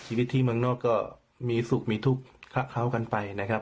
ชีวิตที่เมืองนอกก็มีสุขมีทุกข์เขากันไปนะครับ